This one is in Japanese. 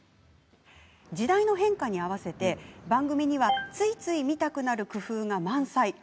時代の変化に合わせて番組には、ついつい見たくなる工夫が満載。